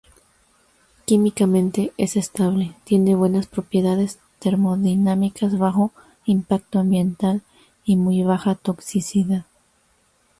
Químicamente es estable, tiene buenas propiedades termodinámicas, bajo impacto ambiental y muy baja toxicidad.